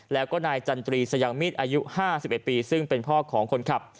แล้วก็นายจันตรีสยางมีดอายุ๕๑ปีซึ่งเป็นพ่อของคนขับ